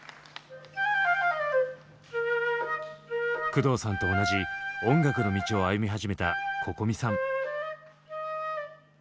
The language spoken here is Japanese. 工藤さんと同じ音楽の道を歩み始めたＣｏｃｏｍｉさん。